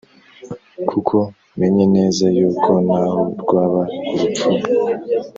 Kuko menye neza yuko naho rwaba urupfu,